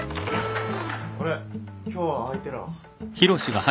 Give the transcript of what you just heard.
・・あれ今日は開いてら。